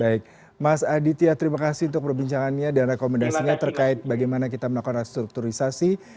baik mas aditya terima kasih untuk perbincangannya dan rekomendasinya terkait bagaimana kita melakukan restrukturisasi